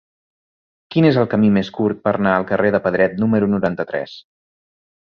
Quin és el camí més curt per anar al carrer de Pedret número noranta-tres?